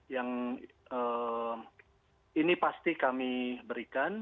yang ini pasti kami berikan